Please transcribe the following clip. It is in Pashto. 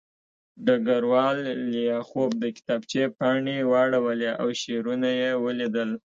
ډګروال لیاخوف د کتابچې پاڼې واړولې او شعرونه یې ولیدل